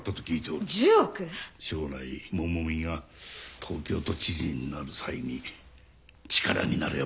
将来百美が東京都知事になる際に力になるやもしれん。